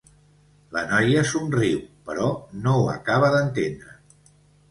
La noia somriu, però no ho acaba d'entendre.